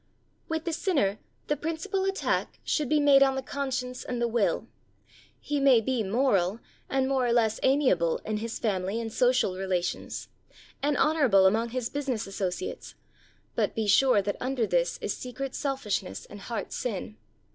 With the sinner, the principal attack should be made on the conscience and the will; he may be moral, and more or less amiable in his family and social relations, and honorable among his business associates, but be sure that under this is secret selfishness and heart sin.